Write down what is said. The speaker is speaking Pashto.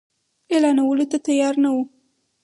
اعلانولو ته تیار نه وو.